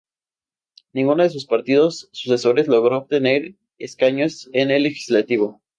Ninguno de sus partidos sucesores logró obtener escaños en el legislativo.